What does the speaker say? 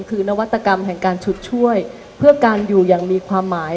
คือนวัตกรรมแห่งการฉุดช่วยเพื่อการอยู่อย่างมีความหมาย